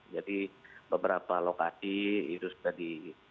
jadi beberapa lokasi itu sudah di